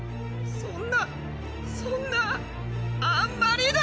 そんなそんなあんまりだ。